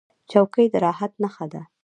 چوکۍ د راحت نښه ده.